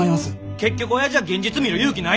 結局おやじは現実見る勇気ないねん。